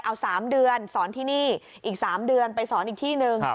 เอา๓เดือนสอนที่นี่อีก๓เดือนไปสอนอีกที่หนึ่ง